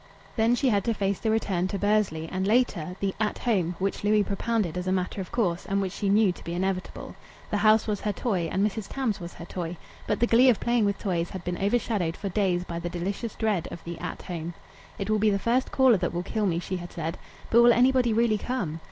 Then she had to face the return to Bursley, and, later, the At Home which Louis propounded as a matter of course, and which she knew to be inevitable. The house was her toy, and Mrs. Tams was her toy. But the glee of playing with toys had been overshadowed for days by the delicious dread of the At Home. "It will be the first caller that will kill me," she had said. "But will anybody really come?"